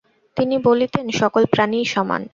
তিনি বলিতেন, সকল প্রাণীই সমান।